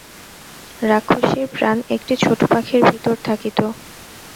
রাক্ষসীর প্রাণ একটি ছোট পাখির ভিতর থাকিত।